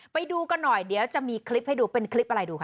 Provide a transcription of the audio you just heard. ไปดูกันหน่อยเดี๋ยวจะมีคลิปให้ดูเป็นคลิปอะไรดูค่ะ